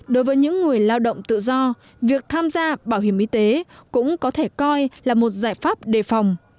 đối với những người lao động tự do việc tham gia bảo hiểm y tế cũng có thể coi là một giải pháp đề phòng